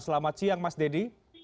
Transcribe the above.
selamat siang mas deddy